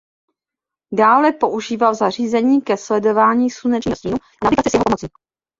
Dále používal zařízení ke sledování slunečního stínu a navigaci s jeho pomocí.